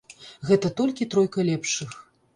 Гэта толькі тройка лепшых.